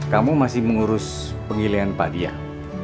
kamu masih mengurus penggilian pak diah